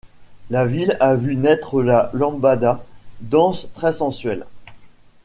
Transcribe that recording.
La ville a vu naître la lambada, danse très sensuelle.